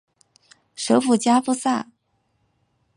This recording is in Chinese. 首府加夫萨。